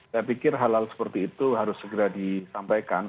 saya pikir hal hal seperti itu harus segera disampaikan